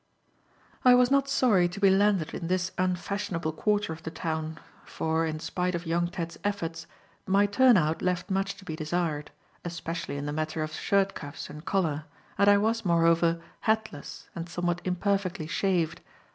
I was not sorry to be landed in this unfashionable quarter of the town, for in spite of young Ted's efforts, my turn out left much to be desired, especially in the matter of shirt cuffs and collar, and I was, moreover, hatless and somewhat imperfectly shaved.